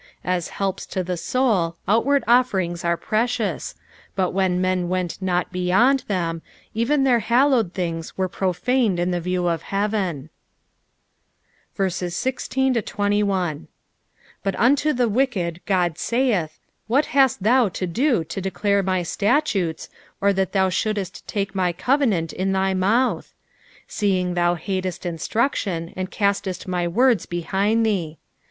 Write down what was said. As helps to the soul, outward offerings were preeioua, but when men went not beyond them, even their hallowed things were profaned in the view of heaven. i6 But unto the wicked God saith. What hast thou to do to declare my statutes, or i/tat thou shouldest take my covenant in thy mouth ? 17 Seeing thou hatest instruction, and castest my words behind thee.